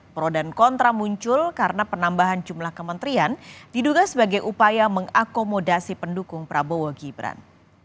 pro dan kontra muncul karena penambahan jumlah kementerian diduga sebagai upaya mengakomodasi pendukung prabowo gibran